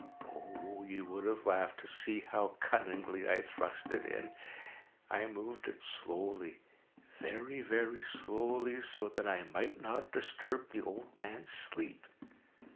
Oh, you would have laughed to see how cunningly I thrust it in! I moved it slowly—very, very slowly, so that I might not disturb the old man's sleep.